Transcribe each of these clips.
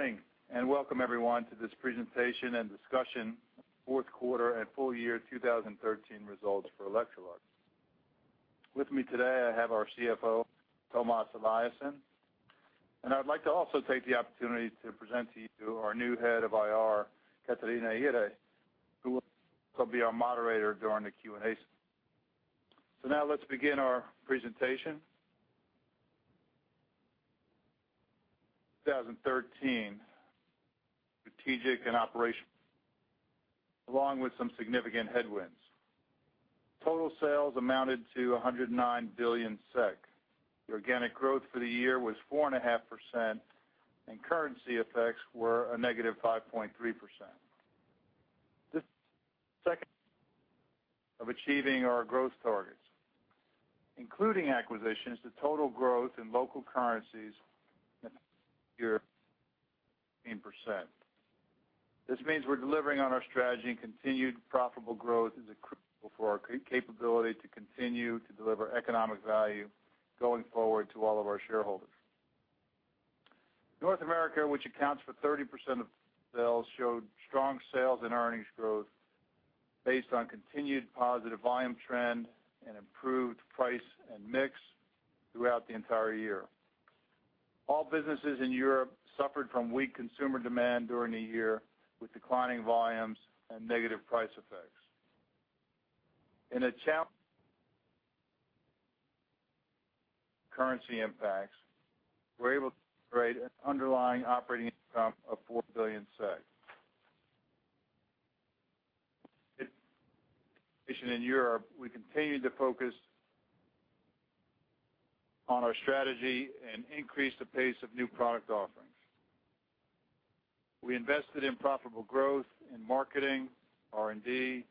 Good morning, and welcome everyone to this presentation and discussion, fourth quarter and full year 2013 results for Electrolux. With me today, I have our CFO, Tomas Eliasson, and I'd like to also take the opportunity to present to you our new Head of IR, Catarina Ihre, who will also be our moderator during the Q&A session. Now let's begin our presentation. 2013, strategic and operation, along with some significant headwinds. Total sales amounted to 109 billion SEK. The organic growth for the year was 4.5%, and currency effects were a negative 5.3%. This second of achieving our growth targets, including acquisitions, the total growth in local currencies year, percent. This means we're delivering on our strategy, continued profitable growth is critical for our capability to continue to deliver economic value going forward to all of our shareholders. North America, which accounts for 30% of sales, showed strong sales and earnings growth based on continued positive volume trend and improved price and mix throughout the entire year. All businesses in Europe suffered from weak consumer demand during the year, with declining volumes and negative price effects. In currency impacts, we're able to create an underlying operating income of 4 billion SEK. In Europe, we continued to focus on our strategy and increase the pace of new product offerings. We invested in profitable growth in marketing, R&D,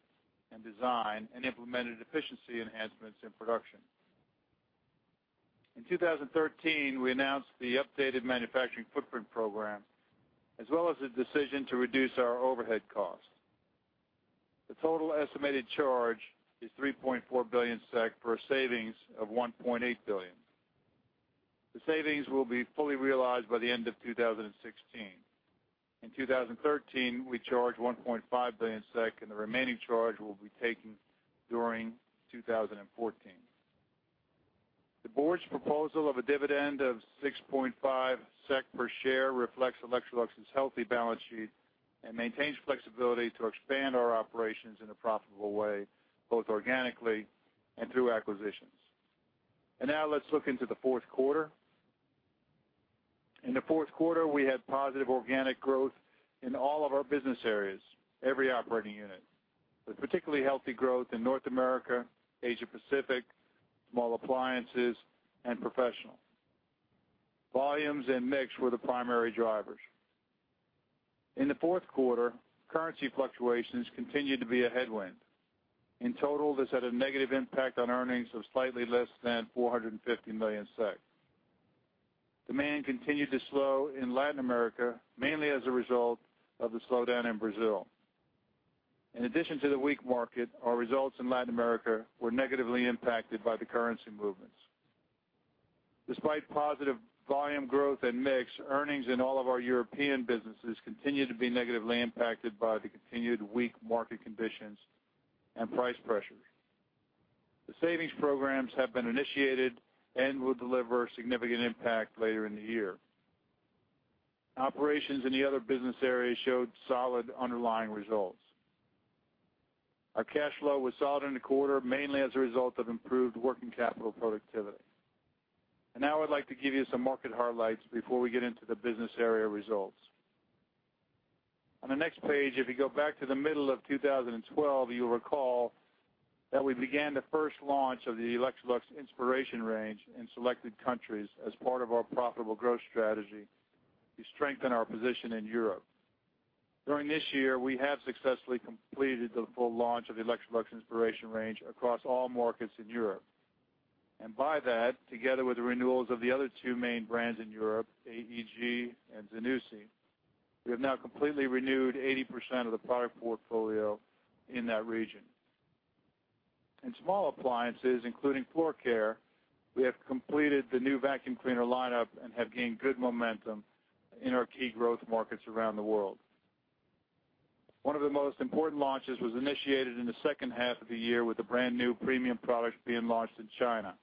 and design, and implemented efficiency enhancements in production. In 2013, we announced the updated manufacturing footprint program, as well as a decision to reduce our overhead costs. The total estimated charge is 3.4 billion SEK, for a savings of 1.8 billion SEK. The savings will be fully realized by the end of 2016. In 2013, we charged 1.5 billion SEK, and the remaining charge will be taken during 2014. The board's proposal of a dividend of 6.5 SEK per share reflects Electrolux's healthy balance sheet and maintains flexibility to expand our operations in a profitable way, both organically and through acquisitions. Now let's look into the fourth quarter. In the fourth quarter, we had positive organic growth in all of our business areas, every operating unit, with particularly healthy growth in North America, Asia Pacific, small appliances, and professional. Volumes and mix were the primary drivers. In the fourth quarter, currency fluctuations continued to be a headwind. In total, this had a negative impact on earnings of slightly less than 450 million SEK. Demand continued to slow in Latin America, mainly as a result of the slowdown in Brazil. In addition to the weak market, our results in Latin America were negatively impacted by the currency movements. Despite positive volume growth and mix, earnings in all of our European businesses continued to be negatively impacted by the continued weak market conditions and price pressures. The savings programs have been initiated and will deliver significant impact later in the year. Operations in the other business areas showed solid underlying results. Our cash flow was solid in the quarter, mainly as a result of improved working capital productivity. Now I'd like to give you some market highlights before we get into the business area results. On the next page, if you go back to the middle of 2012, you'll recall that we began the first launch of the Electrolux Inspiration range in selected countries as part of our profitable growth strategy to strengthen our position in Europe. During this year, we have successfully completed the full launch of the Electrolux Inspiration range across all markets in Europe. By that, together with the renewals of the other two main brands in Europe, AEG and Zanussi, we have now completely renewed 80% of the product portfolio in that region. In small appliances, including floor care, we have completed the new vacuum cleaner lineup and have gained good momentum in our key growth markets around the world. One of the most important launches was initiated in the second half of the year with a brand-new premium product being launched in China.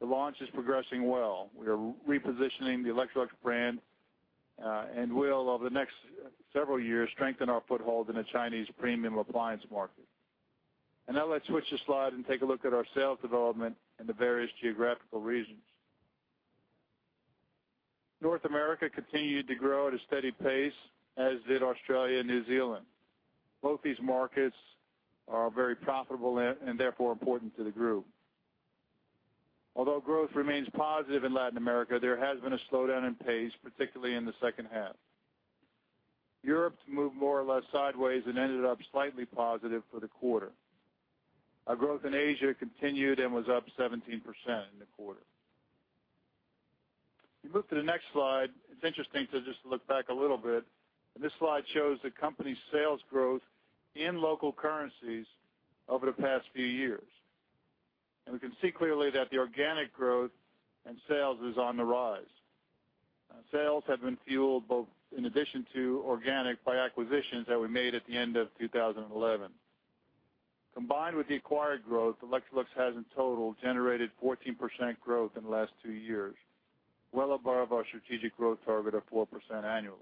The launch is progressing well. We are repositioning the Electrolux brand and will, over the next several years, strengthen our foothold in the Chinese premium appliance market. Now let's switch the slide and take a look at our sales development in the various geographical regions. North America continued to grow at a steady pace, as did Australia and New Zealand. Both these markets are very profitable and therefore important to the group. Although growth remains positive in Latin America, there has been a slowdown in pace, particularly in the second half. Europe moved more or less sideways and ended up slightly positive for the quarter. Our growth in Asia continued and was up 17% in the quarter. If you move to the next slide, it's interesting to just look back a little bit, this slide shows the company's sales growth in local currencies over the past few years.... We can see clearly that the organic growth and sales is on the rise. Sales have been fueled both in addition to organic, by acquisitions that we made at the end of 2011. Combined with the acquired growth, Electrolux has in total generated 14% growth in the last two years, well above our strategic growth target of 4% annually.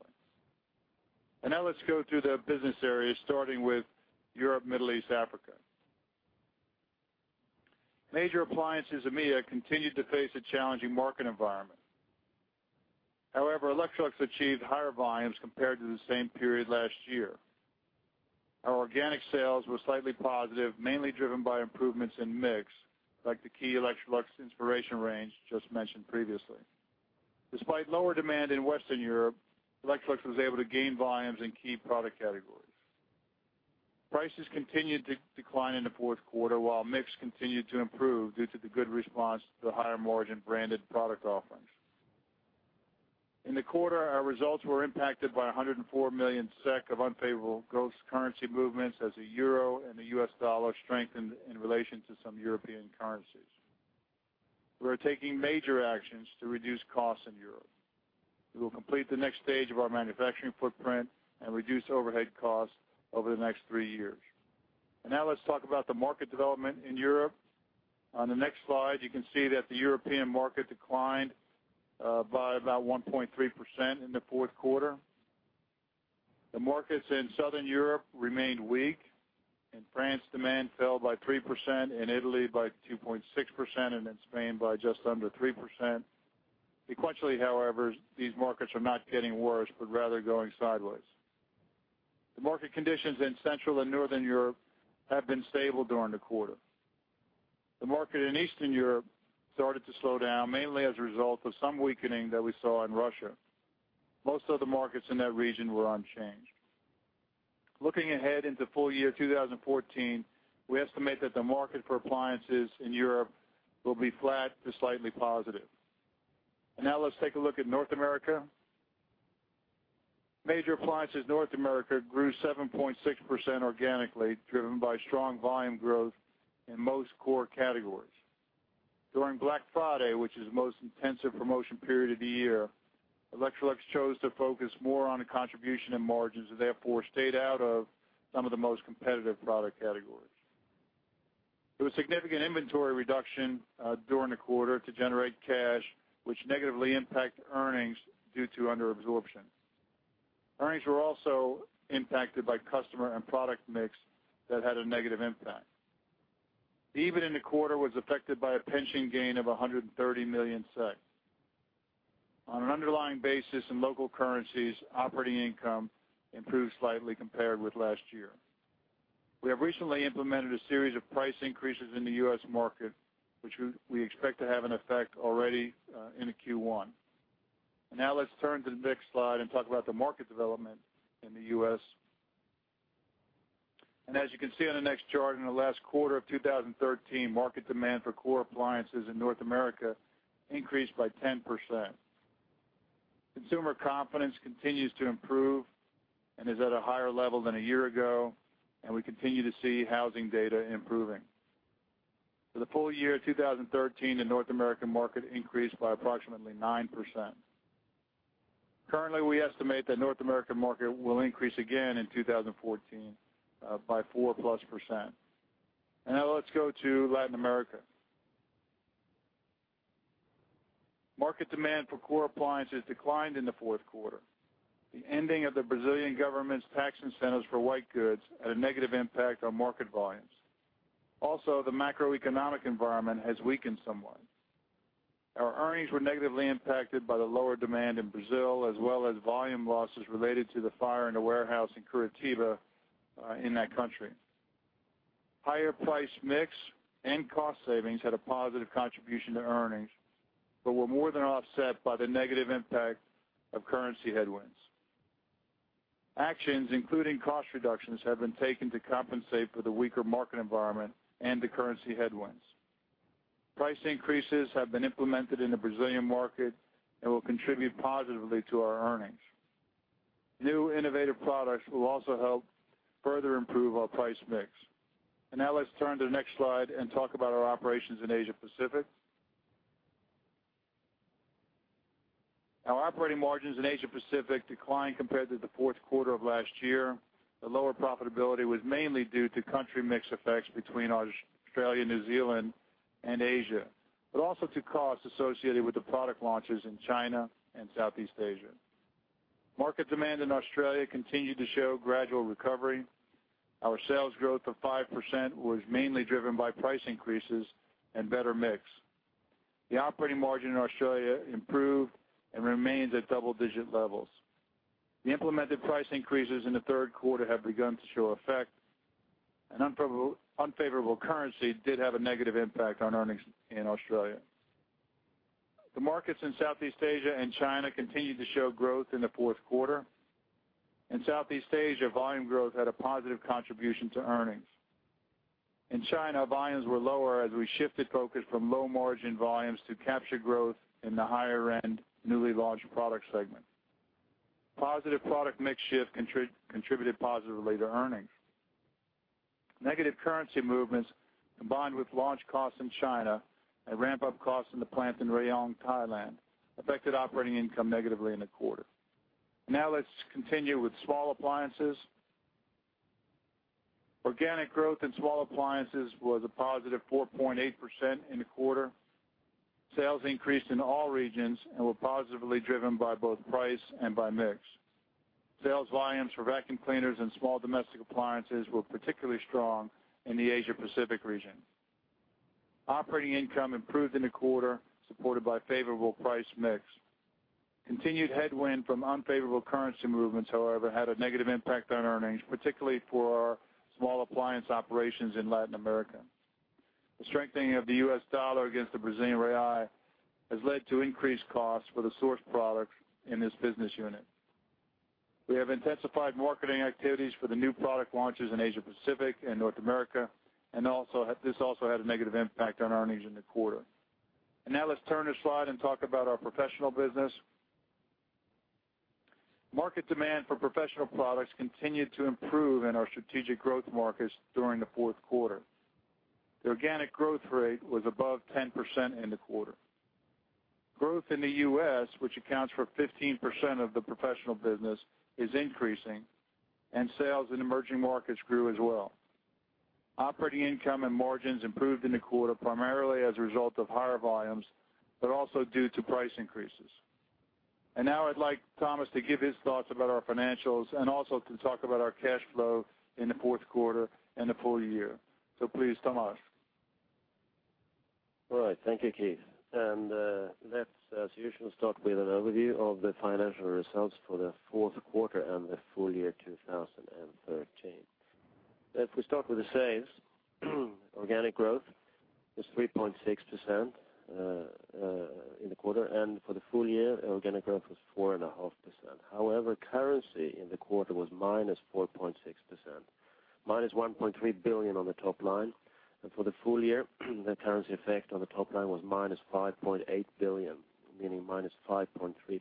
Now let's go through the business areas, starting with Europe, Middle East, Africa. Major appliances EMEA continued to face a challenging market environment. However, Electrolux achieved higher volumes compared to the same period last year. Our organic sales were slightly positive, mainly driven by improvements in mix, like the key Electrolux Inspiration range just mentioned previously. Despite lower demand in Western Europe, Electrolux was able to gain volumes in key product categories. Prices continued to decline in the fourth quarter, while mix continued to improve due to the good response to the higher margin branded product offerings. In the quarter, our results were impacted by 104 million SEK of unfavorable gross currency movements as the euro and the US dollar strengthened in relation to some European currencies. We are taking major actions to reduce costs in Europe. We will complete the next stage of our manufacturing footprint and reduce overhead costs over the next three years. Now let's talk about the market development in Europe. On the next slide, you can see that the European market declined by about 1.3% in the fourth quarter. The markets in Southern Europe remained weak. In France, demand fell by 3%, in Italy by 2.6%, and in Spain by just under 3%. Sequentially, however, these markets are not getting worse, but rather going sideways. The market conditions in Central and Northern Europe have been stable during the quarter. The market in Eastern Europe started to slow down, mainly as a result of some weakening that we saw in Russia. Most of the markets in that region were unchanged. Looking ahead into full year 2014, we estimate that the market for appliances in Europe will be flat to slightly positive. Now let's take a look at North America. Major Appliances North America grew 7.6% organically, driven by strong volume growth in most core categories. During Black Friday, which is the most intensive promotion period of the year, Electrolux chose to focus more on the contribution and margins, and therefore stayed out of some of the most competitive product categories. There was significant inventory reduction during the quarter to generate cash, which negatively impacted earnings due to under absorption. Earnings were also impacted by customer and product mix that had a negative impact. The EBITDA in the quarter was affected by a pension gain of 130 million SEK. On an underlying basis in local currencies, operating income improved slightly compared with last year. We have recently implemented a series of price increases in The U.S. market, which we expect to have an effect already in the Q1. Now let's turn to the next slide and talk about the market development in The U.S. As you can see on the next chart, in the last quarter of 2013, market demand for core appliances in North America increased by 10%. Consumer confidence continues to improve and is at a higher level than a year ago, we continue to see housing data improving. For the full year 2013, the North American market increased by approximately 9%. Currently, we estimate that North American market will increase again in 2014, by 4% plus. Now let's go to Latin America. Market demand for core appliances declined in the fourth quarter. The ending of the Brazilian government's tax incentives for white goods had a negative impact on market volumes. Also, the macroeconomic environment has weakened somewhat. Our earnings were negatively impacted by the lower demand in Brazil, as well as volume losses related to the fire in the warehouse in Curitiba, in that country. Higher price mix and cost savings had a positive contribution to earnings, were more than offset by the negative impact of currency headwinds. Actions, including cost reductions, have been taken to compensate for the weaker market environment and the currency headwinds. Price increases have been implemented in the Brazilian market and will contribute positively to our earnings. New innovative products will also help further improve our price mix. Now let's turn to the next slide and talk about our operations in Asia Pacific. Our operating margins in Asia Pacific declined compared to the fourth quarter of last year. The lower profitability was mainly due to country mix effects between Australia, New Zealand, and Asia, but also to costs associated with the product launches in China and Southeast Asia. Market demand in Australia continued to show gradual recovery. Our sales growth of 5% was mainly driven by price increases and better mix. The operating margin in Australia improved and remains at double-digit levels. The implemented price increases in the third quarter have begun to show effect, and unfavorable currency did have a negative impact on earnings in Australia. The markets in Southeast Asia and China continued to show growth in the fourth quarter. In Southeast Asia, volume growth had a positive contribution to earnings. In China, volumes were lower as we shifted focus from low-margin volumes to capture growth in the higher-end, newly launched product segment. Positive product mix shift contributed positively to earnings. Negative currency movements, combined with launch costs in China and ramp-up costs in the plant in Rayong, Thailand, affected operating income negatively in the quarter. Let's continue with small appliances. Organic growth in small appliances was a positive 4.8% in the quarter. Sales increased in all regions and were positively driven by both price and by mix. Sales volumes for vacuum cleaners and small domestic appliances were particularly strong in the Asia Pacific region. Operating income improved in the quarter, supported by favorable price mix. Continued headwind from unfavorable currency movements, however, had a negative impact on earnings, particularly for our small appliance operations in Latin America. The strengthening of the US dollar against the Brazilian real has led to increased costs for the sourced products in this business unit. We have intensified marketing activities for the new product launches in Asia Pacific and North America, and this also had a negative impact on earnings in the quarter. Now let's turn the slide and talk about our professional business. Market demand for professional products continued to improve in our strategic growth markets during the fourth quarter. The organic growth rate was above 10% in the quarter. Growth in The U.S., which accounts for 15% of the professional business, is increasing, and sales in emerging markets grew as well. Operating income and margins improved in the quarter, primarily as a result of higher volumes, but also due to price increases. Now I'd like Tomas to give his thoughts about our financials and also to talk about our cash flow in the fourth quarter and the full year. Please, Tomas. Thank you, Keith. Let's, as usual, start with an overview of the financial results for the fourth quarter and the full year 2013. If we start with the sales, organic growth is 3.6% in the quarter, and for the full year, organic growth was 4.5%. Currency in the quarter was -4.6%, -1.3 billion on the top line, and for the full year, the currency effect on the top line was -5.8 billion, meaning -5.3%.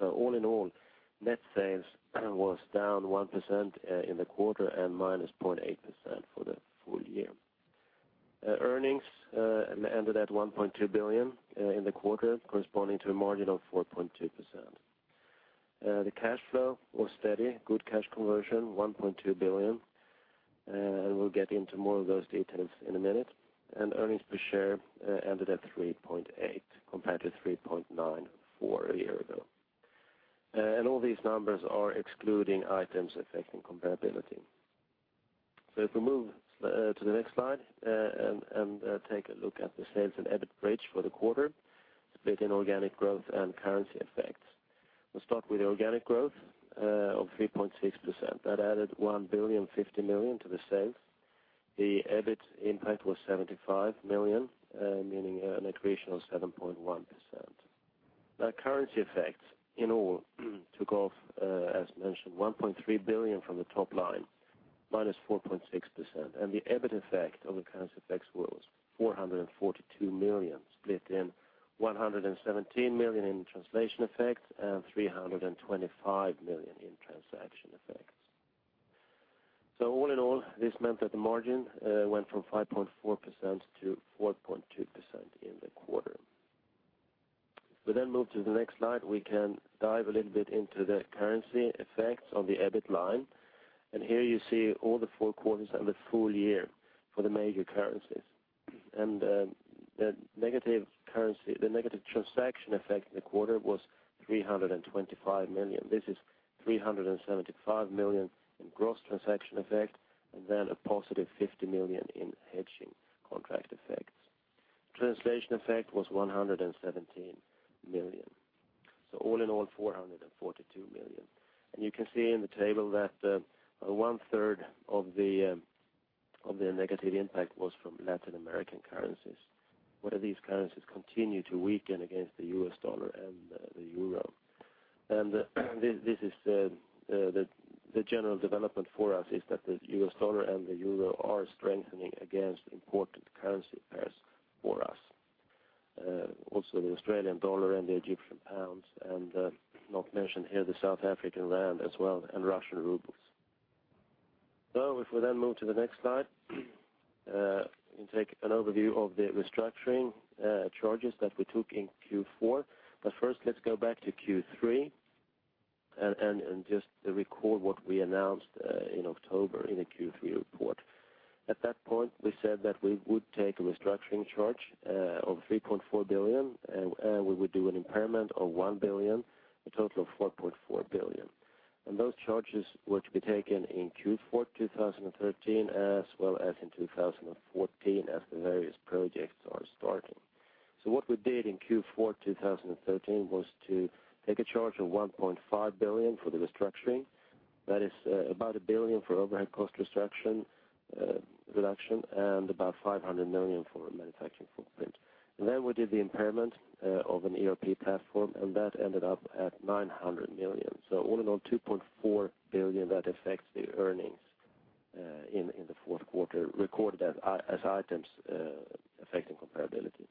All in all, net sales was down 1% in the quarter and -0.8% for the full year. Earnings ended at 1.2 billion in the quarter, corresponding to a margin of 4.2%. The cash flow was steady, good cash conversion, 1.2 billion, and we'll get into more of those details in a minute. Earnings per share ended at 3.8, compared to 3.9 for a year ago. All these numbers are excluding items affecting comparability. If we move to the next slide and take a look at the sales and EBIT bridge for the quarter, split in organic growth and currency effects. We'll start with the organic growth of 3.6%. That added 1.05 billion to the sales. The EBIT impact was 75 million, meaning an accretion of 7.1%. The currency effects, in all, took off, as mentioned, 1.3 billion from the top line, -4.6%, and the EBIT effect of the currency effects was 442 million, split in 117 million in translation effects and 325 million in transaction effects. All in all, this meant that the margin went from 5.4%-4.2% in the quarter. We move to the next slide. We can dive a little bit into the currency effects on the EBIT line. Here you see all the four quarters and the full year for the major currencies. The negative currency, the negative transaction effect in the quarter was 325 million. This is 375 million in gross transaction effect, then a positive 50 million in hedging contract effects. Translation effect was 117 million. All in all, 442 million. You can see in the table that one third of the negative impact was from Latin American currencies, where these currencies continue to weaken against the US dollar and the euro. This is the general development for us, is that the US dollar and the euro are strengthening against important currency pairs for us. Also the Australian dollar and the Egyptian pounds, and not mentioned here, the South African rand as well, and Russian rubles. If we then move to the next slide, and take an overview of the restructuring charges that we took in Q4. First, let's go back to Q3 and just to recall what we announced in October in the Q3 report. At that point, we said that we would take a restructuring charge of 3.4 billion, and we would do an impairment of 1 billion, a total of 4.4 billion. Those charges were to be taken in Q4 2013, as well as in 2014, as the various projects are starting. What we did in Q4 2013 was to take a charge of 1.5 billion for the restructuring. That is, about 1 billion for overhead cost restriction, reduction, and about 500 million for manufacturing footprint. Then we did the impairment of an ERP platform, and that ended up at 900 million. All in all, 2.4 billion that affects the earnings in the fourth quarter, recorded as items affecting comparability.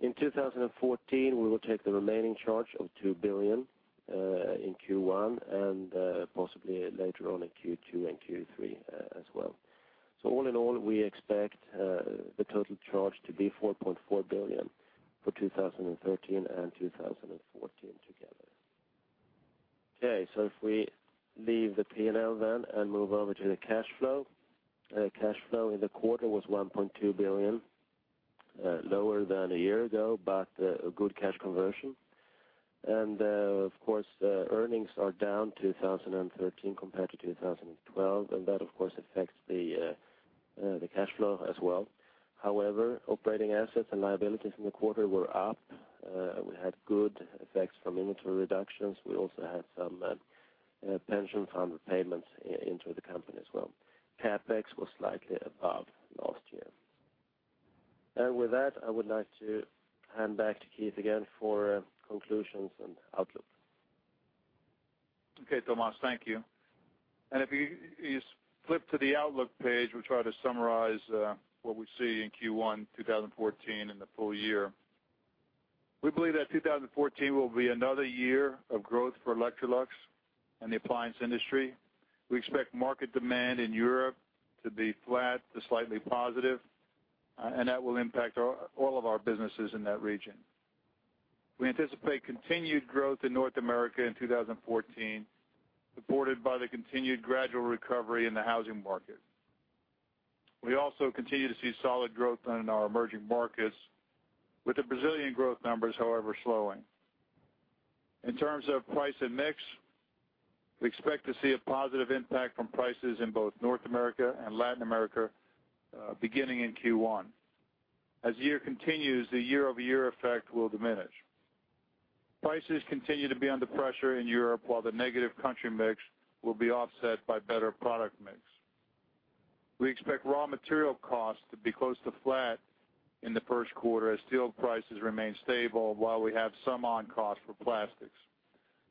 In 2014, we will take the remaining charge of 2 billion in Q1 and possibly later on in Q2 and Q3 as well. All in all, we expect the total charge to be 4.4 billion for 2013 and 2014 together. If we leave the P&L then and move over to the cash flow. Cash flow in the quarter was 1.2 billion lower than a year ago, but a good cash conversion. Of course, earnings are down 2013 compared to 2012, and that, of course, affects the cash flow as well. However, operating assets and liabilities in the quarter were up. We had good effects from inventory reductions. We also had some pension fund payments into the company as well. CapEx was slightly above last year. With that, I would like to hand back to Keith again for conclusions and outlook. Okay, Tomas, thank you. If you flip to the outlook page, we try to summarize what we see in Q1 2014 in the full year. We believe that 2014 will be another year of growth for Electrolux and the appliance industry. We expect market demand in Europe to be flat to slightly positive, and that will impact our, all of our businesses in that region. We anticipate continued growth in North America in 2014, supported by the continued gradual recovery in the housing market. We also continue to see solid growth in our emerging markets with the Brazilian growth numbers, however, slowing. In terms of price and mix, we expect to see a positive impact from prices in both North America and Latin America, beginning in Q1. As the year continues, the year-over-year effect will diminish. Prices continue to be under pressure in Europe, while the negative country mix will be offset by better product mix. We expect raw material costs to be close to flat in the first quarter as steel prices remain stable while we have some on cost for plastics.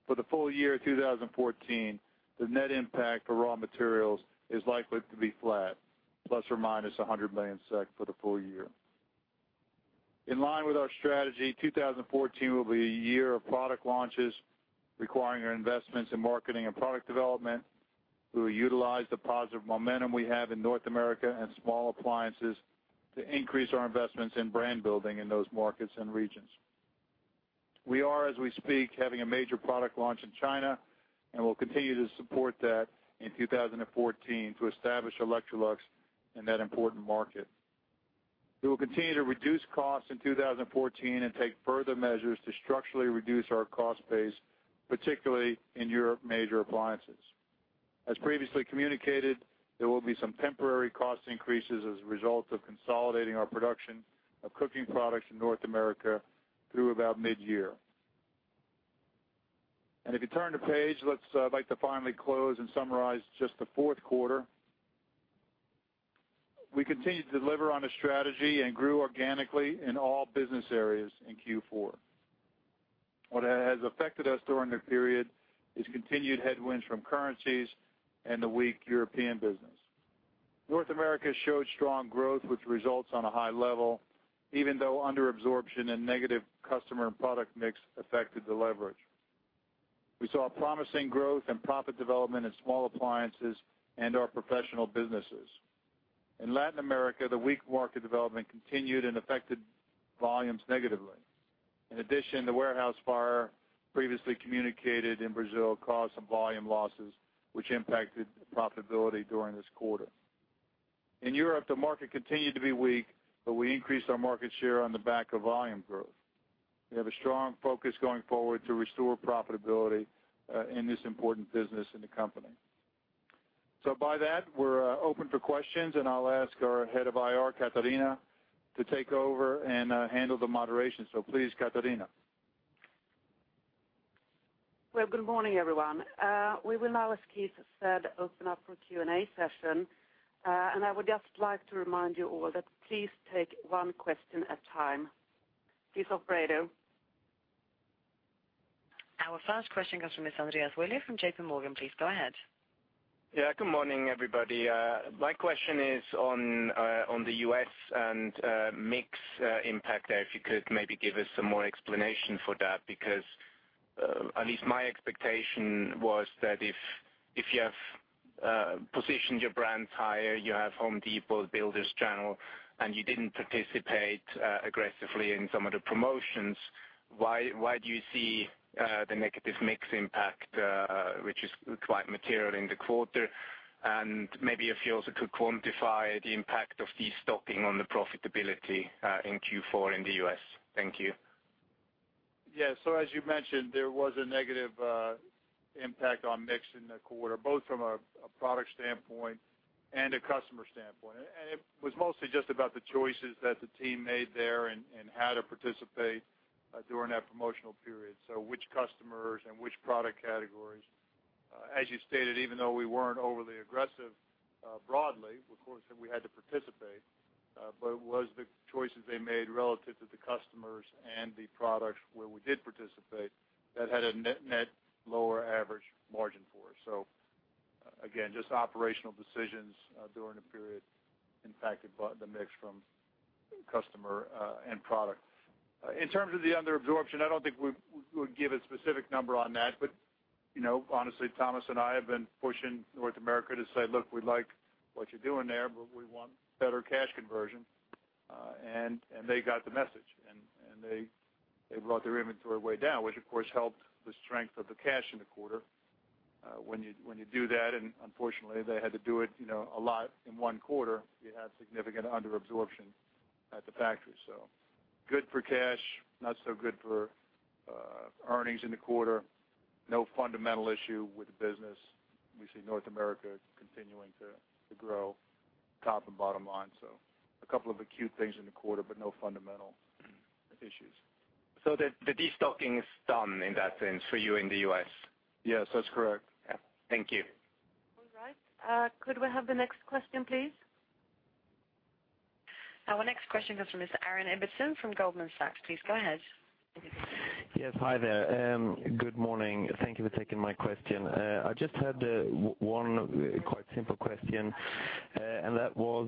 For the full year 2014, the net impact for raw materials is likely to be flat, ± 100 million SEK for the full year. In line with our strategy, 2014 will be a year of product launches, requiring our investments in marketing and product development. We will utilize the positive momentum we have in North America and small appliances to increase our investments in brand building in those markets and regions. We are, as we speak, having a major product launch in China, and we'll continue to support that in 2014 to establish Electrolux in that important market. We will continue to reduce costs in 2014 and take further measures to structurally reduce our cost base, particularly in Europe major appliances. As previously communicated, there will be some temporary cost increases as a result of consolidating our production of cooking products in North America through about mid-year. If you turn the page, let's I'd like to finally close and summarize just the fourth quarter. We continued to deliver on a strategy and grew organically in all business areas in Q4. What has affected us during the period is continued headwinds from currencies and the weak European business. North America showed strong growth, which results on a high level, even though under absorption and negative customer and product mix affected the leverage. We saw a promising growth and profit development in small appliances and our professional businesses. In Latin America, the weak market development continued and affected volumes negatively. In addition, the warehouse fire previously communicated in Brazil caused some volume losses, which impacted profitability during this quarter. In Europe, the market continued to be weak, but we increased our market share on the back of volume growth. We have a strong focus going forward to restore profitability in this important business in the company. By that, we're open for questions, and I'll ask our Head of IR, Katarina, to take over and handle the moderation. Please, Katarina. Well, good morning, everyone. We will now, as Keith said, open up for Q&A session. I would just like to remind you all that please take one question at a time. Please, operator. Our first question comes from Ms. Andreas Willi from JP Morgan. Please go ahead. Yeah, good morning, everybody. My question is on The U.S. and mix impact there. If you could maybe give us some more explanation for that, because at least my expectation was that if you have positioned your brands higher, you have Home Depot, builder channel, and you didn't participate aggressively in some of the promotions, why do you see the negative mix impact, which is quite material in the quarter? Maybe if you also could quantify the impact of the stocking on the profitability in Q4 in The U.S. Thank you. As you mentioned, there was a negative impact on mix in the quarter, both from a product standpoint and a customer standpoint. It was mostly just about the choices that the team made there and how to participate during that promotional period. Which customers and which product categories? As you stated, even though we weren't overly aggressive, broadly, of course, we had to participate, but it was the choices they made relative to the customers and the products where we did participate that had a net lower average margin for us. Again, just operational decisions during the period impacted by the mix from customer and product. In terms of the under absorption, I don't think we would give a specific number on that, but, you know, honestly, Tomas and I have been pushing North America to say: Look, we like what you're doing there, but we want better cash conversion. And they got the message, and they brought their inventory way down, which, of course, helped the strength of the cash in the quarter. When you do that, and unfortunately, they had to do it, you know, a lot in one quarter, you have significant under absorption at the factory. Good for cash, not so good for earnings in the quarter. No fundamental issue with the business. We see North America continuing to grow top and bottom line. A couple of acute things in the quarter, but no fundamental issues. The destocking is done in that sense for you in The U.S.? Yes, that's correct. Yeah. Thank you. All right. Could we have the next question, please? Our next question comes from Mr. Aaron Ibbotson from Goldman Sachs. Please go ahead. Yes, hi there. Good morning. Thank you for taking my question. I just had 1 quite simple question, and that was,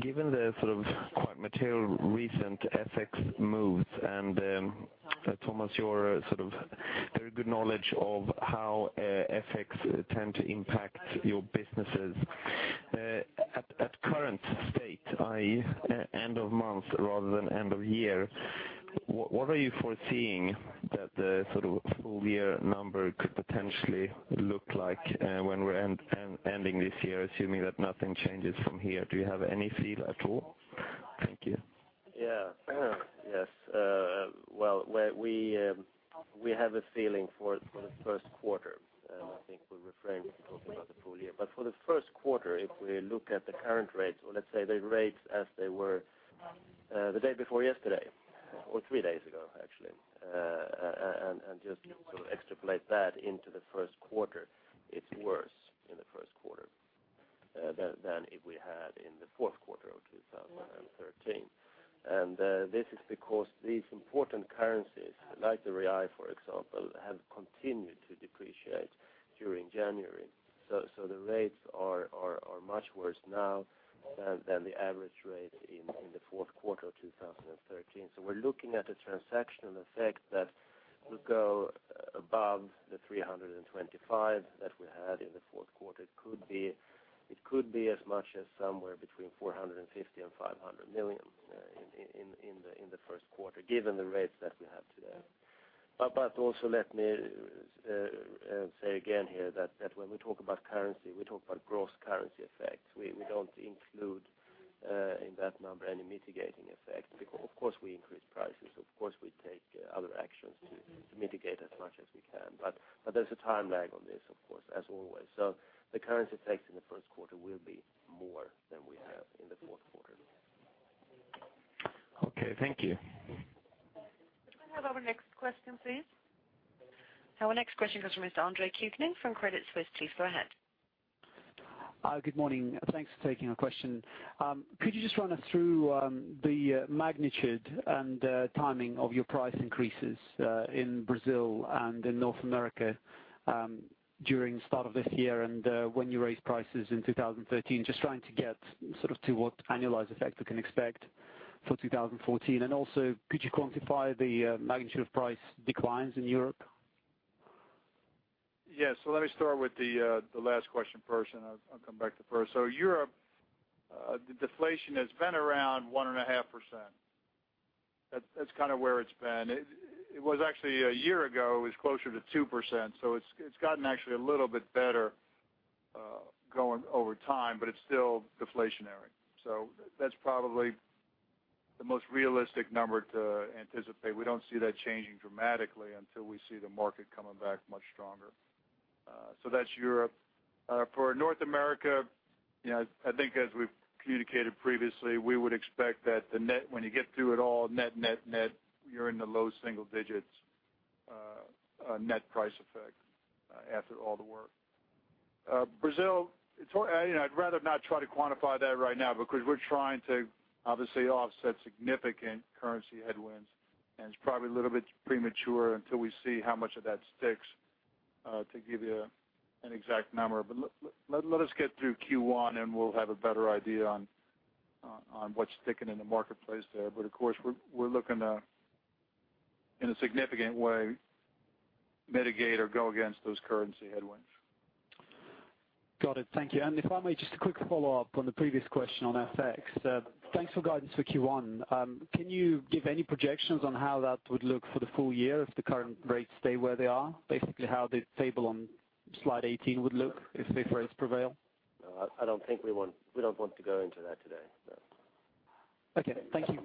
given the sort of quite material recent FX moves, and, Tomas, your sort of very good knowledge of how FX tend to impact your businesses. At current state, i.e., end of month rather than end of year, what are you foreseeing that the sort of full year number could potentially look like, when we're ending this year, assuming that nothing changes from here? Do you have any feel at all? Thank you. Yes, well, we have a feeling for the first quarter, and I think we refrain from talking about the full year. For the first quarter, if we look at the current rates, or let's say, the rates as they were, the day before yesterday, or three days ago, actually, and just sort of extrapolate that into the first quarter, it's worse in the first quarter than it we had in the fourth quarter of 2013. This is because these important currencies, like the Brazilian real, for example, have continued to depreciate during January. The rates are much worse now than the average rate in the fourth quarter of 2013. We're looking at a transactional effect that will go above 325 that we had in the fourth quarter. It could be as much as somewhere between 450 million and 500 million in the first quarter, given the rates that we have today. Also, let me say again here that when we talk about currency, we talk about gross currency effects. We don't include in that number any mitigating effect, because, of course, we increase prices. Of course, we take other actions to mitigate as much as we can. There's a time lag on this, of course, as always. The currency effects in the first quarter will be more than we have in the fourth quarter. Okay, thank you. Could we have our next question, please? Our next question comes from Mr. Andre Kukhnin from Credit Suisse. Please go ahead. Good morning. Thanks for taking our question. Could you just run us through the magnitude and timing of your price increases in Brazil and in North America during start of this year and when you raised prices in 2013? Just trying to get sort of to what annualized effect we can expect for 2014. Also, could you quantify the magnitude of price declines in Europe? Yes. Let me start with the last question first, and I'll come back to first. Europe, the deflation has been around 1.5%. That's kind of where it's been. It was actually a year ago, it was closer to 2%, so it's gotten actually a little bit better going over time, but it's still deflationary. That's probably the most realistic number to anticipate. We don't see that changing dramatically until we see the market coming back much stronger. That's Europe. For North America, you know, I think as we've communicated previously, we would expect that when you get through it all, net, net, you're in the low single digits, net price effect after all the work. Brazil, it's. You know, I'd rather not try to quantify that right now because we're trying to obviously offset significant currency headwinds, and it's probably a little bit premature until we see how much of that sticks to give you an exact number. Let us get through Q1, and we'll have a better idea on what's sticking in the marketplace there. Of course, we're looking to, in a significant way, mitigate or go against those currency headwinds. Got it. Thank you. If I may, just a quick follow-up on the previous question on FX. Thanks for guidance for Q1. Can you give any projections on how that would look for the full year if the current rates stay where they are? Basically, how the table on slide 18 would look if the rates prevail. I don't think we don't want to go into that today, so. Okay. Thank you.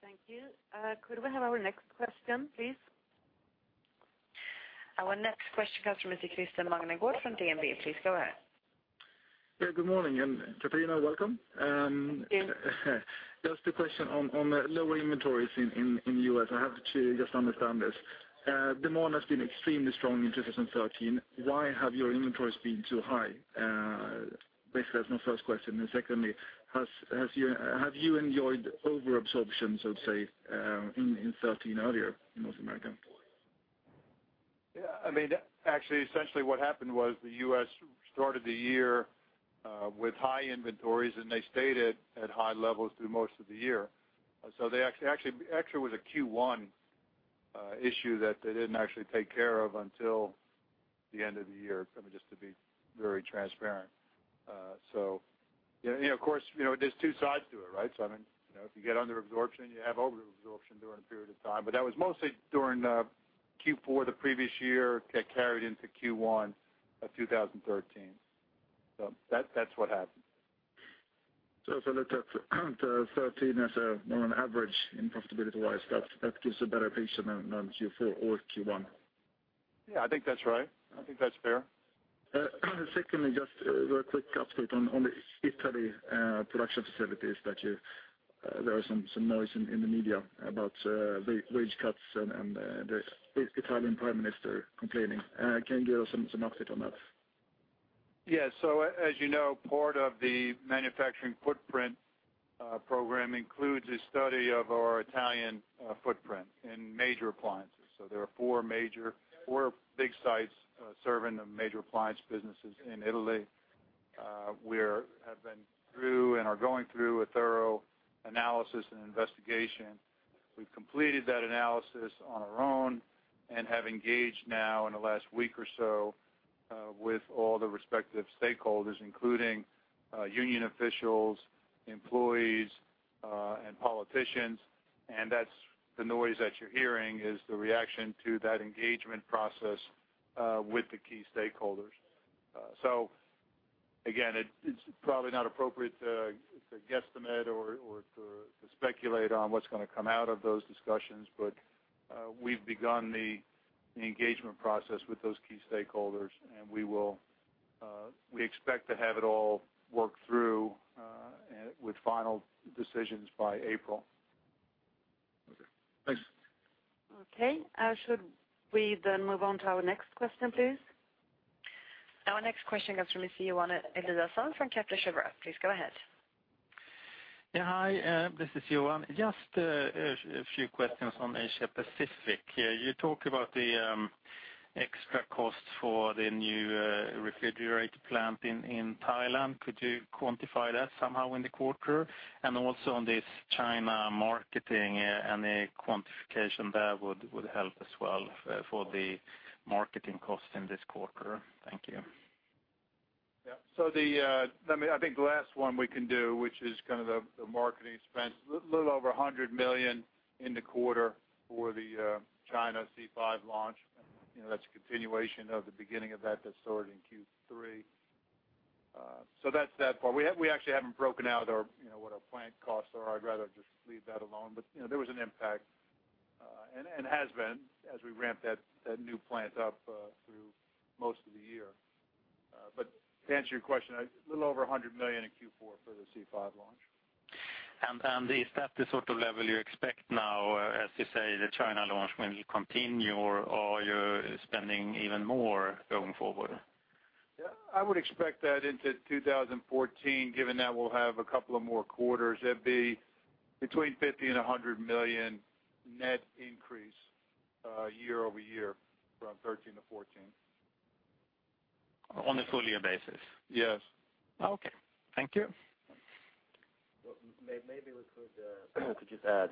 Thank you. Could we have our next question, please? Our next question comes from Mr. Christer Magnergård from DNB. Please go ahead. Yeah, good morning, and Catarina, welcome. Thank you. Just a question on the lower inventories in The U.S. I have to just understand this. Demand has been extremely strong in 2013. Why have your inventories been so high? Basically, that's my first question. Secondly, have you enjoyed over absorption, so to say, in 2013 earlier in North America? Yeah, I mean, actually, essentially what happened was The U.S. started the year with high inventories, and they stayed at high levels through most of the year. They actually, it was a Q1 issue that they didn't actually take care of until the end of the year, I mean, just to be very transparent. Of course, you know, there's two sides to it, right? I mean, you know, if you get under absorption, you have over absorption during a period of time, but that was mostly during the Q4, the previous year, get carried into Q1 of 2013. That's what happened. If I look at the 13 on an average in profitability-wise, that gives a better picture than Q4 or Q1? Yeah, I think that's right. I think that's fair. Secondly, just a very quick update on the Italy, production facilities that there are some noise in the media about wage cuts and the Italian Prime Minister complaining. Can you give us some update on that? Yes. As you know, part of the manufacturing footprint program includes a study of our Italian footprint in major appliances. There are four major, four big sites serving the major appliance businesses in Italy. We have been through and are going through a thorough analysis and investigation. We've completed that analysis on our own and have engaged now in the last week or so with all the respective stakeholders, including union officials, employees, and politicians. That's the noise that you're hearing, is the reaction to that engagement process with the key stakeholders. Again, it's probably not appropriate to guesstimate or to speculate on what's gonna come out of those discussions, but we've begun the engagement process with those key stakeholders, and we will, we expect to have it all worked through with final decisions by April. Okay, thanks. Okay. Should we then move on to our next question, please? Our next question comes from Mr. Johan Eliason from Kepler Cheuvreux. Please go ahead. Hi, this is Johan. Just a few questions on Asia Pacific here. You talked about the extra costs for the new refrigerator plant in Thailand. Could you quantify that somehow in the quarter? Also on this China marketing, any quantification there would help as well for the marketing costs in this quarter. Thank you. The marketing expense, a little over 100 million in the quarter for the China C5 launch. You know, that's a continuation of the beginning of that started in Q3. That's that part. We actually haven't broken out our, you know, what our plant costs are. I'd rather just leave that alone. You know, there was an impact and has been as we ramped that new plant up through most of the year. To answer your question, a little over 100 million in Q4 for the C5 launch. Is that the sort of level you expect now, as you say, the China launch will continue, or you're spending even more going forward? I would expect that into 2014, given that we'll have a couple of more quarters, it'd be between 50 million and 100 million net increase, year-over-year, from 2013 to 2014. On a full year basis? Yes. Okay. Thank you. Well, maybe we could just add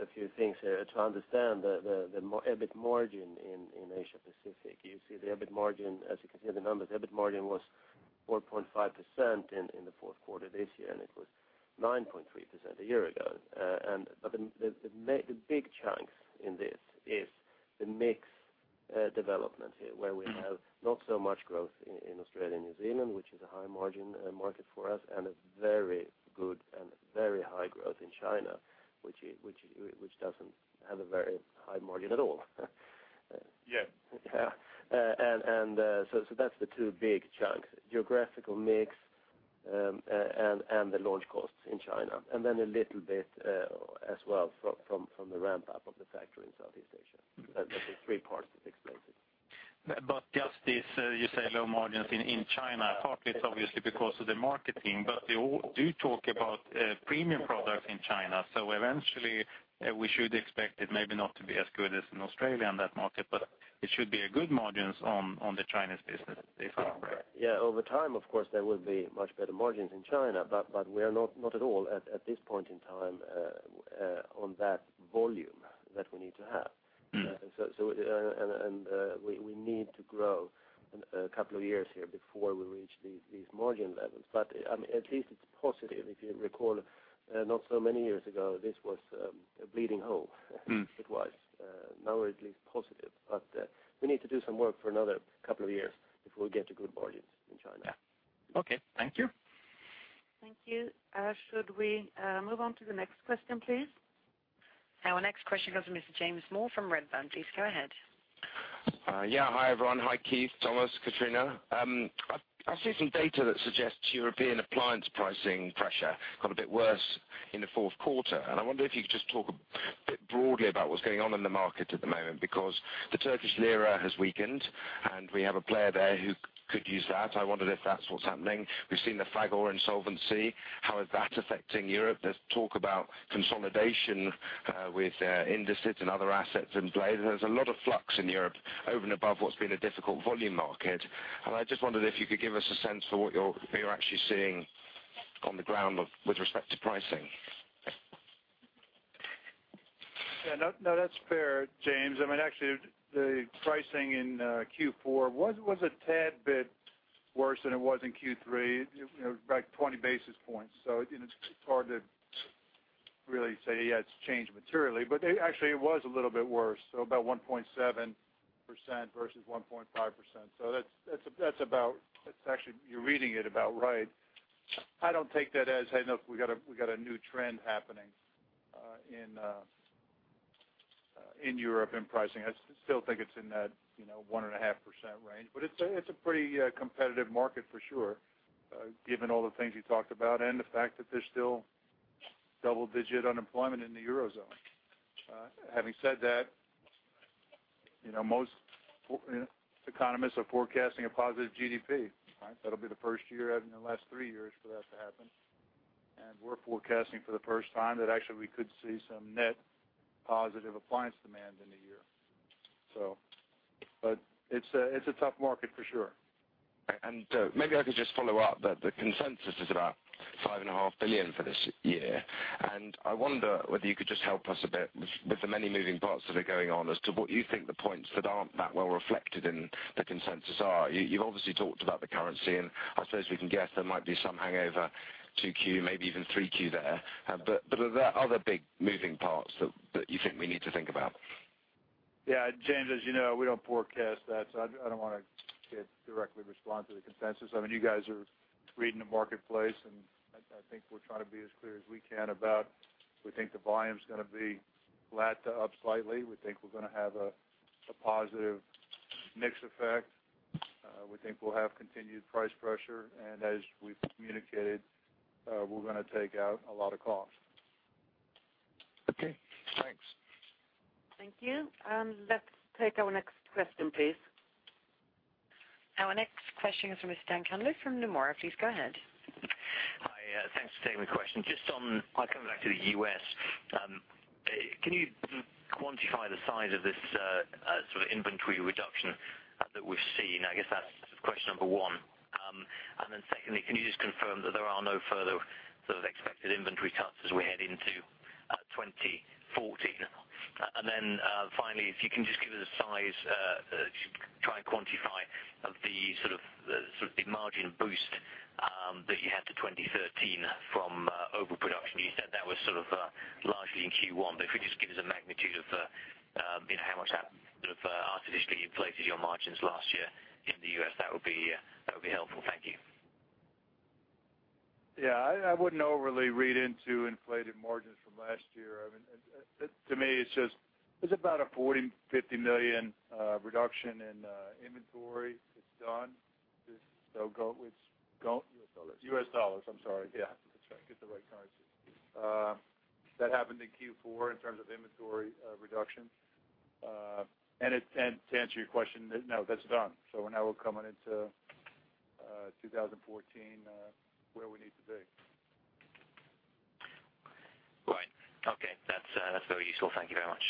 a few things here to understand the margin, EBIT margin in Asia Pacific. You see, the EBIT margin, as you can see the numbers, the EBIT margin was 4.5% in the fourth quarter this year, and it was 9.3% a year ago. The big chunks in this is the mix development here, where we have not so much growth in Australia and New Zealand, which is a high margin market for us, and a very good and very high growth in China, which doesn't have a very high margin at all. Yeah. Yeah. That's the two big chunks, geographical mix, and the launch costs in China, and then a little bit as well from the ramp up of the factory in Southeast Asia. That's the three parts that explains it. Just this, you say low margins in China, partly it's obviously because of the marketing. You all do talk about premium products in China. Eventually, we should expect it maybe not to be as good as in Australia in that market, it should be a good margins on the Chinese business if I'm right? Yeah, over time, of course, there will be much better margins in China, but we are not at all at this point in time on that volume that we need to have. Mm-hmm. We need to grow a couple of years here before we reach these margin levels. At least it's positive. If you recall, not so many years ago, this was a bleeding hole. Mm-hmm. It was. Now we're at least positive, but we need to do some work for another couple of years before we get to good margins in China. Yeah. Okay, thank you. Thank you. Should we move on to the next question, please? Our next question goes to Mr. James Moore from Redburn. Please go ahead. Yeah, hi, everyone. Hi, Keith, Tomas, Catarina. I see some data that suggests European appliance pricing pressure got a bit worse in the fourth quarter. I wonder if you could just talk a bit broadly about what's going on in the market at the moment, because the Turkish lira has weakened, and we have a player there who could use that. I wondered if that's what's happening. We've seen the Fagor insolvency. How is that affecting Europe? There's talk about consolidation with Indesit and other assets in play. There's a lot of flux in Europe over and above what's been a difficult volume market. I just wondered if you could give us a sense for what you're actually seeing on the ground with respect to pricing. No, no, that's fair, James. I mean, actually, the pricing in Q4 was a tad bit worse than it was in Q3, you know, back 20 basis points. You know, it's hard to really say, yeah, it's changed materially, but actually, it was a little bit worse, about 1.7% versus 1.5%. That's, that's about, actually, you're reading it about right. I don't take that as, "Hey, look, we got a new trend happening in Europe, in pricing." I still think it's in that, you know, 1.5% range, but it's a pretty competitive market for sure, given all the things you talked about and the fact that there's still double-digit unemployment in the Eurozone. Having said that, you know, most economists are forecasting a positive GDP, right? That'll be the first year in the last 3 years for that to happen. We're forecasting for the first time that actually we could see some net positive appliance demand in the year. But it's a tough market for sure. Maybe I could just follow up that the consensus is about 5.5 billion for this year. I wonder whether you could just help us a bit with the many moving parts that are going on as to what you think the points that aren't that well reflected in the consensus are. You've obviously talked about the currency, and I suppose we can guess there might be some hangover 2Q, maybe even 3Q there. Are there other big moving parts that you think we need to think about? Yeah, James, as you know, we don't forecast that. I don't want to directly respond to the consensus. I mean, you guys are reading the marketplace. I think we're trying to be as clear as we can about we think the volume's gonna be flat to up slightly. We think we're gonna have a positive mix effect. We think we'll have continued price pressure. As we've communicated, we're gonna take out a lot of costs. Okay, thanks. Thank you. Let's take our next question, please. Our next question is from Daniel Cunliffe from Nomura. Please go ahead. Hi, thanks for taking the question. Just on coming back to The U.S., can you quantify the size of this sort of inventory reduction that we've seen? I guess that's question number one. Secondly, can you just confirm that there are no further sort of expected inventory cuts as we head into 2014? Finally, if you can just give us a size, try and quantify of the sort of the margin boost that you had to 2013 from overproduction. You said that was sort of largely in Q1. If you just give us a magnitude of how much that sort of artificially inflated your margins last year in The U.S., that would be helpful. Thank you. Yeah, I wouldn't overly read into inflated margins from last year. I mean, to me, it's just, it's about a 40 million-50 million reduction in inventory. It's done. Just so. US dollars. US dollars, I'm sorry. Yeah, that's right. Get the right currency. That happened in Q4 in terms of inventory reduction. To answer your question, no, that's done. Now we're coming into 2014 where we need to be. Right. Okay, that's very useful. Thank you very much.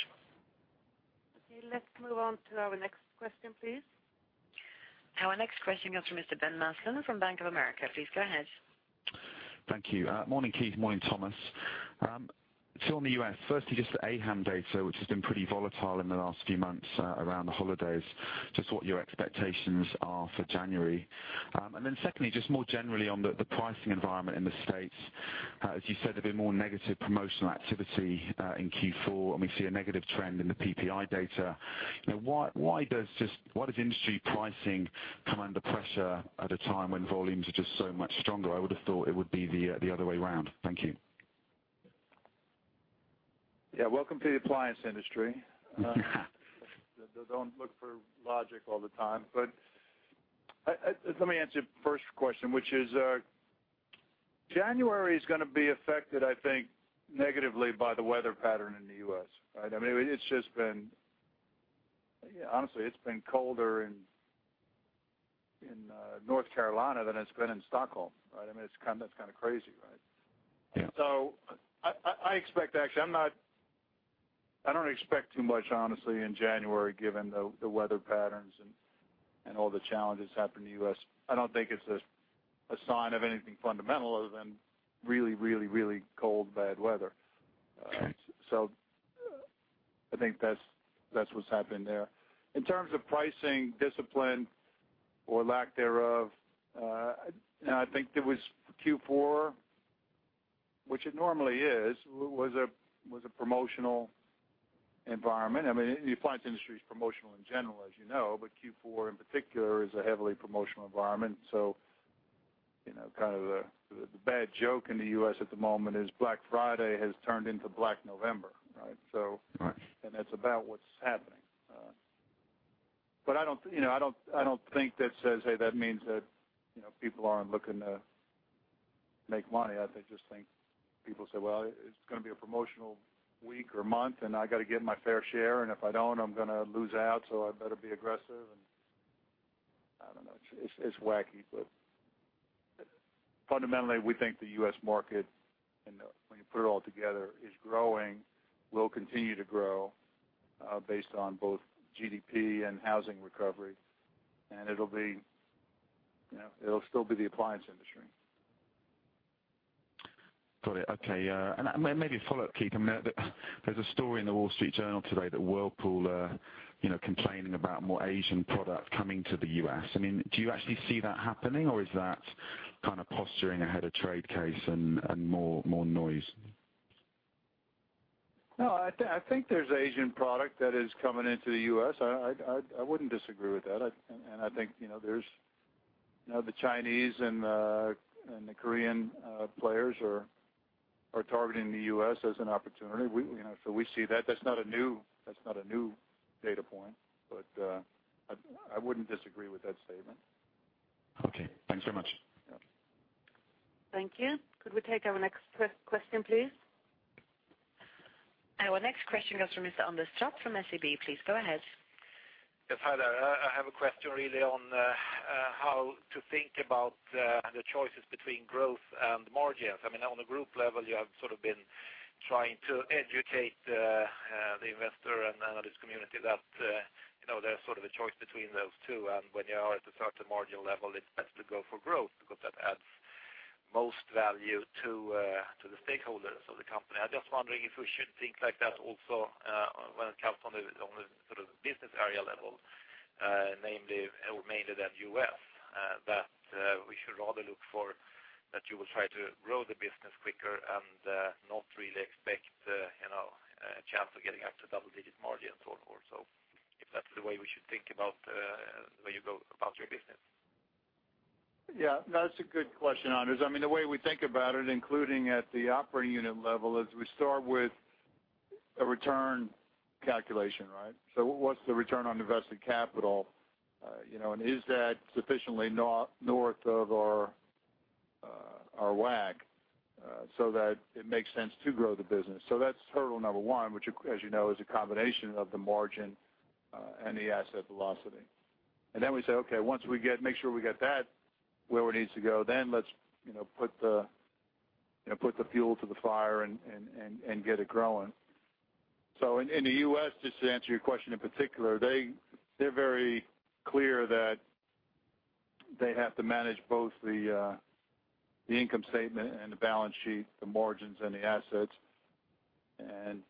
Okay, let's move on to our next question, please. Our next question comes from Mr. Ben Maslen from Bank of America. Please go ahead. Thank you. Morning, Keith. Morning, Tomas. Still on The U.S. Firstly, just the AHAM data, which has been pretty volatile in the last few months, around the holidays, just what your expectations are for January. Secondly, just more generally on the pricing environment in the States. As you said, there's been more negative promotional activity in Q4, and we see a negative trend in the PPI data. Why does industry pricing come under pressure at a time when volumes are just so much stronger? I would have thought it would be the other way around. Thank you. Yeah, welcome to the appliance industry. Don't look for logic all the time, but let me answer your first question, which is, January is gonna be affected, I think, negatively by the weather pattern in The U.S., right? I mean, it's just been Honestly, it's been colder in North Carolina than it's been in Stockholm, right? I mean, it's kind of crazy, right? Yeah. I expect actually, I don't expect too much, honestly, in January, given the weather patterns and all the challenges happening in The U.S. I don't think it's a sign of anything fundamental other than really, really, really cold, bad weather. Right. I think that's what's happened there. In terms of pricing discipline or lack thereof, I think there was Q4, which it normally is, was a, was a promotional environment. I mean, the appliance industry is promotional in general, as you know, but Q4 in particular, is a heavily promotional environment. You know, kind of the bad joke in The U.S. at the moment is Black Friday has turned into Black November, right? Right. That's about what's happening. I don't, you know, I don't think that says, hey, that means that, you know, people aren't looking to make money. I just think people say, well, it's gonna be a promotional week or month, and I got to get my fair share, and if I don't, I'm gonna lose out, so I better be aggressive. It's wacky. Fundamentally, we think The U.S. market, and when you put it all together, is growing, will continue to grow, based on both GDP and housing recovery, and it'll be, you know, it'll still be the appliance industry. Got it. Okay. Maybe a follow-up, Keith. I mean, there's a story in The Wall Street Journal today that Whirlpool are, you know, complaining about more Asian product coming to The U.S. I mean, do you actually see that happening, or is that kind of posturing ahead of trade case and more noise? No, I think there's Asian product that is coming into The U.S. I wouldn't disagree with that. I think, you know, there's, you know, the Chinese and the Korean players are targeting The U.S. as an opportunity. We, you know, so we see that. That's not a new data point, but I wouldn't disagree with that statement. Okay. Thanks so much. Yeah. Thank you. Could we take our next question, please? Our next question comes from Mr. Anders Trapp from SEB. Please go ahead. Yes, hi there. I have a question really on how to think about the choices between growth and margins. I mean, on a group level, you have sort of been trying to educate the investor and analyst community that, you know, there's sort of a choice between those two, and when you are at a certain margin level, it's best to go for growth because that adds most value to the stakeholders of the company. I'm just wondering if we should think like that also, when it comes on the, on the sort of business area level, namely, or mainly The U.S., that, we should rather look for that you will try to grow the business quicker and, not really expect, you know, a chance of getting up to double-digit margins or so, if that's the way we should think about, the way you go about your business? Yeah, that's a good question, Anders. I mean, the way we think about it, including at the operating unit level, is we start with a return calculation, right? What's the return on invested capital, you know, and is that sufficiently north of our WACC, so that it makes sense to grow the business. That's hurdle number one, which, as you know, is a combination of the margin, and the asset velocity. We say, okay, once we make sure we get that where it needs to go, then let's, you know, put the, you know, put the fuel to the fire and get it growing. In, in the US, just to answer your question, in particular, they're very clear that they have to manage both the income statement and the balance sheet, the margins and the assets, and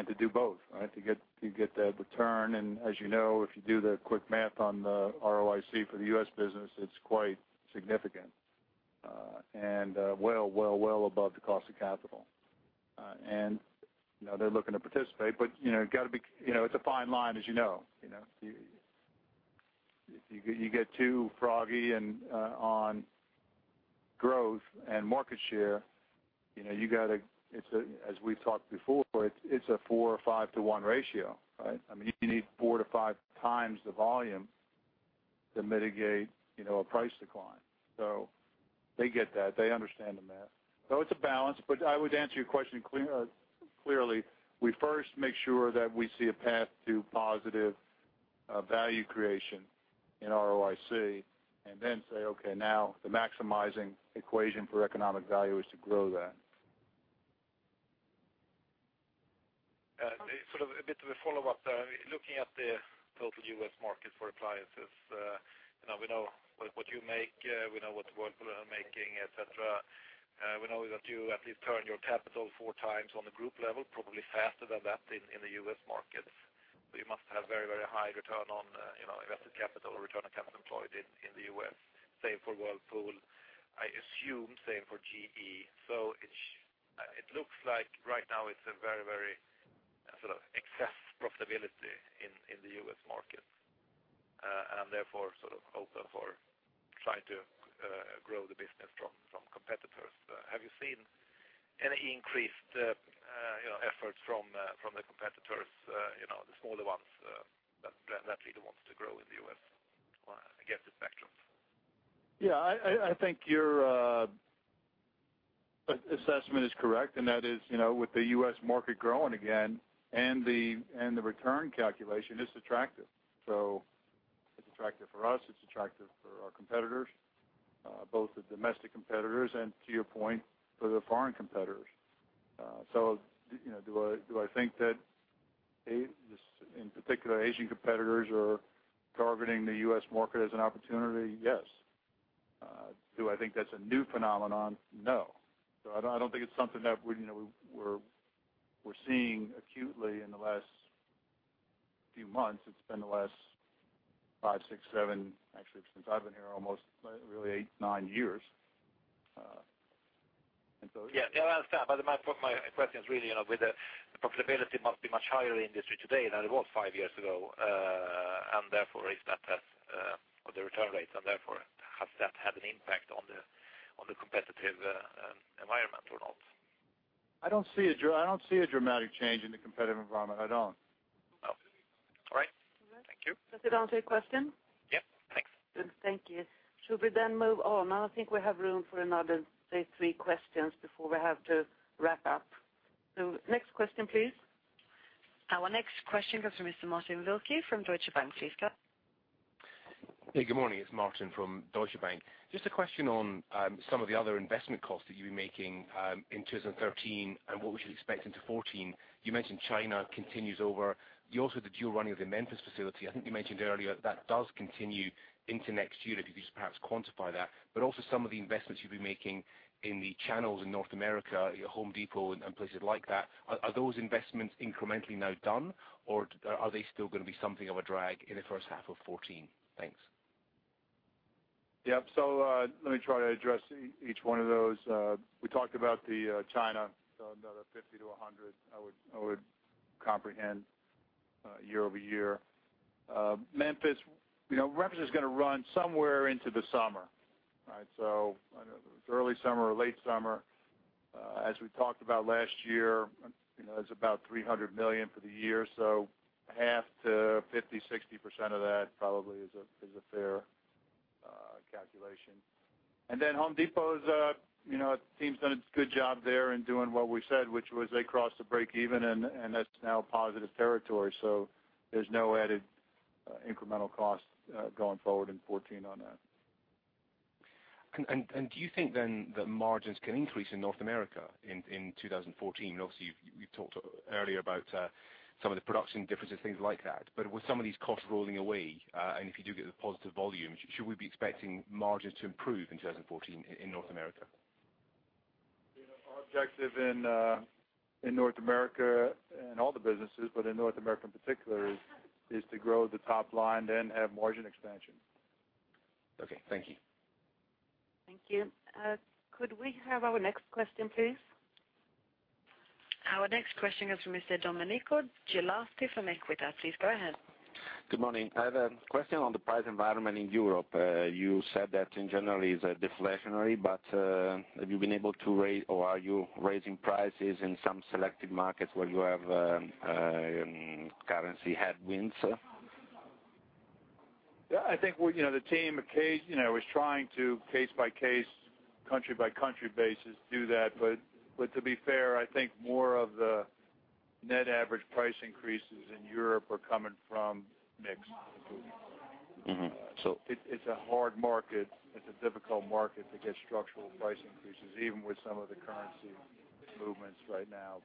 to do both, right? To get, to get the return, and as you know, if you do the quick math on the ROIC for the US business, it's quite significant, and, well, well, well above the cost of capital. You know, they're looking to participate, but, you know, you gotta be, you know, it's a fine line, as you know. You know, you get too froggy and on growth and market share, you know, it's a, as we've talked before, it's a four or five to 1 ratio, right? I mean, you need four to five times the volume to mitigate, you know, a price decline. They get that. They understand the math. It's a balance, but I would answer your question clearly. We first make sure that we see a path to positive value creation in ROIC and then say, okay, now the maximizing equation for economic value is to grow that. Sort of a bit of a follow-up. Looking at the total US market for appliances, you know, we know what you make, we know what Whirlpool are making, et cetera. We know that you at least turn your capital four times on the group level, probably faster than that in the US market. You must have very high return on, you know, invested capital, return on capital employed in The U.S. Same for Whirlpool, I assume same for GE. It looks like right now it's a very sort of excess profitability in the US market, and therefore, sort of open for trying to grow the business from competitors. Have you seen any increased, you know, efforts from the competitors, you know, the smaller ones, that really wants to grow in The U.S. against the spectrum? Yeah, I think your assessment is correct, and that is, you know, with The U.S. market growing again and the return calculation, it's attractive. It's attractive for us, it's attractive for our competitors, both the domestic competitors and, to your point, for the foreign competitors. You know, do I think that this, in particular, Asian competitors are targeting the US market as an opportunity? Yes. Do I think that's a new phenomenon? No. I don't think it's something that we, you know, we're seeing acutely in the last few months. It's been the last five, six, seven, actually, since I've been here, almost really eight, nine years. Yeah, yeah, I understand, but my point, my question is really, you know, with the profitability must be much higher in industry today than it was five years ago, and therefore, is that, or the return rates, and therefore, has that had an impact on the, on the competitive, environment or not? I don't see a dramatic change in the competitive environment. I don't. Oh, all right. Thank you. Does that answer your question? Yep. Thanks. Good. Thank you. Should we then move on? I think we have room for another, say, three questions before we have to wrap up. Next question, please. Our next question comes from Mr. Martin Wilkie from Deutsche Bank. Please, go. Hey, good morning. It's Martin from Deutsche Bank. Just a question on some of the other investment costs that you've been making in 2013, and what we should expect into 2014. You mentioned China continues over. You also, the dual running of the Memphis facility, I think you mentioned earlier, that does continue into 2014. If you could just perhaps quantify that, but also some of the investments you've been making in the channels in North America, The Home Depot, and places like that. Are those investments incrementally now done, or are they still gonna be something of a drag in the first half of 2014? Thanks. Yep. Let me try to address each one of those. We talked about the China, another $50 million-$100 million, I would comprehend, year-over-year. Memphis, you know, Memphis is gonna run somewhere into the summer. All right, early summer or late summer, as we talked about last year, you know, it's about $300 million for the year, so half to 50%-60% of that probably is a fair calculation. The Home Depot's, you know, team's done a good job there in doing what we said, which was they crossed to breakeven, and that's now positive territory. There's no added incremental cost going forward in 2014 on that. Do you think then that margins can increase in North America in 2014? Obviously, you've talked earlier about some of the production differences, things like that. With some of these costs rolling away, and if you do get the positive volumes, should we be expecting margins to improve in 2014 in North America? Our objective in North America and all the businesses, but in North America in particular, is to grow the top line, then have margin expansion. Okay. Thank you. Thank you. Could we have our next question, please? Our next question is from Mr. Domenico Ghilotti from Equita. Please go ahead. Good morning. I have a question on the price environment in Europe. You said that in general, it's a deflationary, but have you been able to raise or are you raising prices in some selected markets where you have currency headwinds? Yeah, I think, we, you know, the team, you know, is trying to case-by-case, country-by-country basis, do that. To be fair, I think more of the net average price increases in Europe are coming from mix improvements. Mm-hmm. It's a hard market. It's a difficult market to get structural price increases, even with some of the currency movements right now.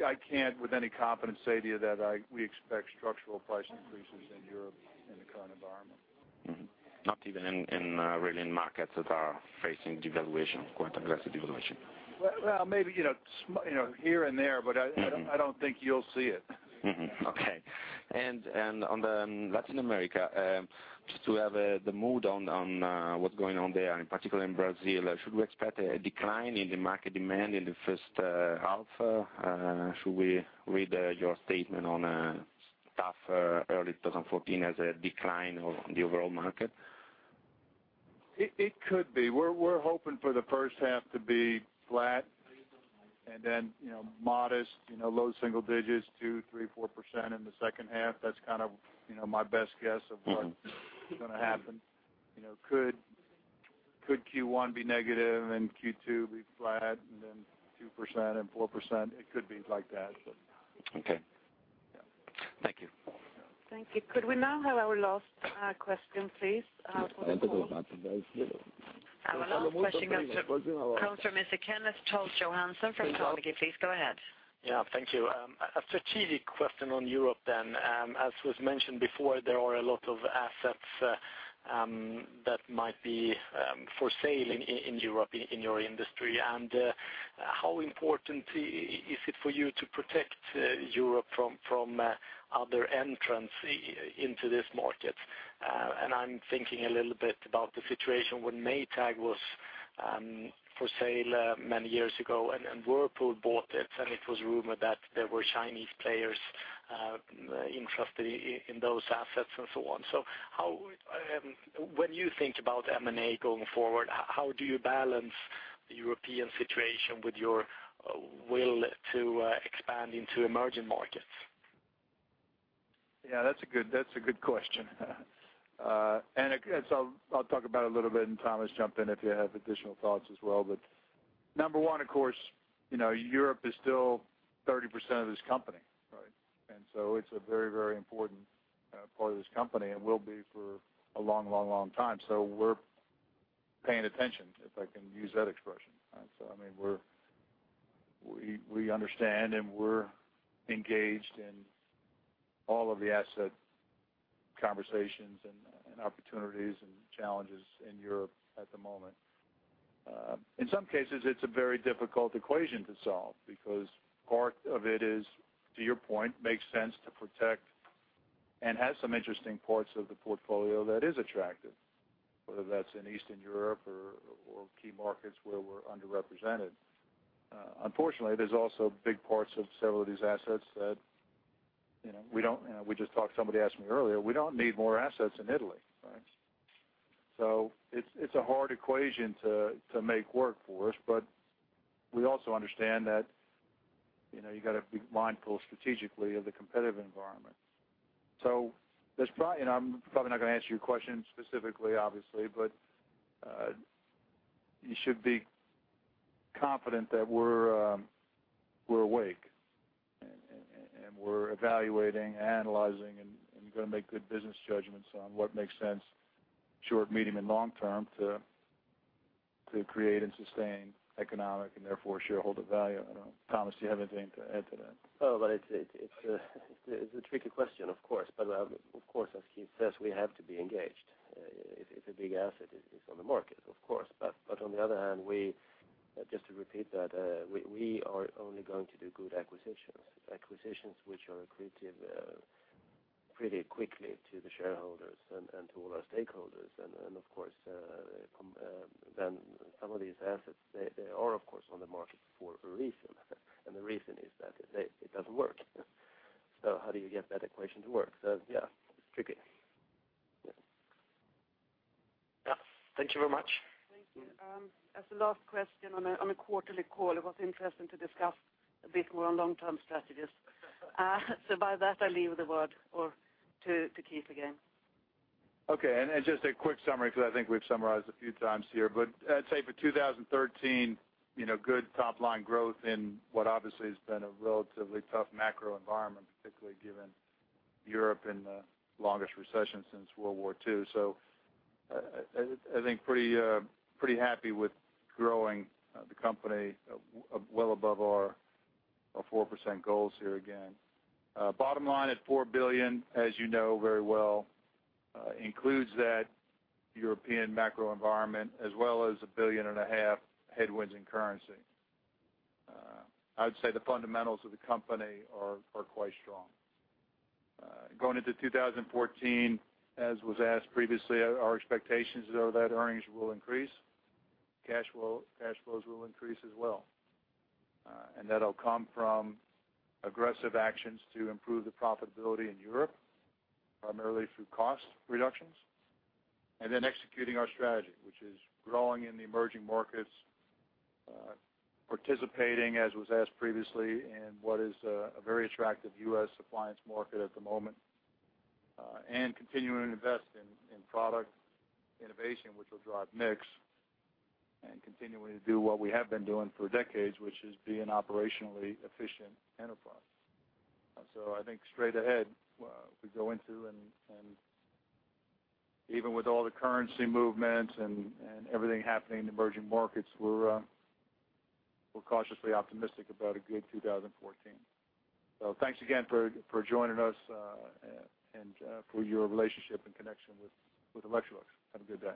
I can't, with any confidence, say to you that we expect structural price increases in Europe in the current environment. Mm-hmm. Not even in, really in markets that are facing devaluation, quite aggressive devaluation? Well, maybe, you know, here and there, but. Mm-hmm. I don't think you'll see it. Okay. On Latin America, just to have the mood on what's going on there, in particular in Brazil. Should we expect a decline in the market demand in the first half? Should we read your statement on a tougher early 2014 as a decline of the overall market? It could be. We're hoping for the first half to be flat and then, you know, modest, you know, low single digits, two, three, 4% in the second half. That's kind of, you know, my best guess. Mm-hmm... of what's gonna happen. You know, could Q1 be negative and Q2 be flat, and then 2% and 4%? It could be like that. Okay. Thank you. Thank you. Could we now have our last question, please? Our last question comes from Mr. Kenneth Toll Johansson from Bank of America. Please go ahead. Yeah. Thank you. A strategic question on Europe then. As was mentioned before, there are a lot of assets that might be for sale in Europe, in your industry. How important is it for you to protect Europe from other entrants into this market? I'm thinking a little bit about the situation when Maytag was for sale many years ago, Whirlpool bought it, and it was rumored that there were Chinese players interested in those assets and so on. When you think about M&A going forward, how do you balance the European situation with your will to expand into emerging markets? Yeah, that's a good, that's a good question. Again, so I'll talk about it a little bit, and, Tomas, jump in if you have additional thoughts as well. Number one, of course, you know, Europe is still 30% of this company, right? It's a very, very important part of this company and will be for a long, long, long time. We're paying attention, if I can use that expression. Right, so, I mean, we understand, and we're engaged in all of the asset conversations and opportunities and challenges in Europe at the moment. In some cases, it's a very difficult equation to solve because part of it is, to your point, makes sense to protect and have some interesting parts of the portfolio that is attractive, whether that's in Eastern Europe or key markets where we're underrepresented. Unfortunately, there's also big parts of several of these assets that, you know, we don't. We just talked, somebody asked me earlier, we don't need more assets in Italy, right? It's, it's a hard equation to make work for us, but we also understand that, you know, you gotta be mindful strategically of the competitive environment. I'm probably not gonna answer your question specifically, obviously, but, you should be confident that we're awake, and we're evaluating, analyzing, and, gonna make good business judgments on what makes sense short, medium, and long term to create and sustain economic, and therefore, shareholder value. I don't know, Tomas, do you have anything to add to that? It's a tricky question, of course. Of course, as Keith says, we have to be engaged. It's a big asset, it's on the market, of course. On the other hand, just to repeat that, we are only going to do good acquisitions. Acquisitions which are accretive pretty quickly to the shareholders and to all our stakeholders. Of course, then some of these assets are, of course, on the market for a reason. The reason is that it doesn't work. How do you get that equation to work? Yeah, it's tricky. Yeah. Yeah. Thank you very much. Thank you. As the last question on a quarterly call, it was interesting to discuss a bit more on long-term strategies. By that, I leave the word to Keith again. Okay, just a quick summary, 'cause I think we've summarized a few times here, but I'd say for 2013, you know, good top line growth in what obviously has been a relatively tough macro environment, particularly given Europe in the longest recession since World War II. I think pretty happy with growing the company well above our 4% goals here again. Bottom line at 4 billion, as you know very well, includes that European macro environment, as well as 1.5 billion headwinds in currency. I'd say the fundamentals of the company are quite strong. Going into 2014, as was asked previously, our expectations are that earnings will increase, cash flows will increase as well. That'll come from aggressive actions to improve the profitability in Europe, primarily through cost reductions, and then executing our strategy, which is growing in the emerging markets. Participating, as was asked previously, in what is a very attractive US appliance market at the moment. Continuing to invest in product innovation, which will drive mix, and continuing to do what we have been doing for decades, which is be an operationally efficient enterprise. I think straight ahead, we go into, and even with all the currency movements and everything happening in emerging markets, we're cautiously optimistic about a good 2014. Thanks again for joining us, and for your relationship in connection with Electrolux. Have a good day.